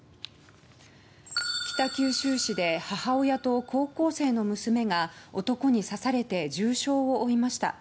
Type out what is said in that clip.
北九州市で母親と高校生の娘が男に刺されて重傷を負いました。